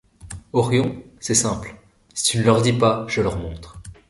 Orion, c’est simple : si tu ne leur dis pas, je leur montre.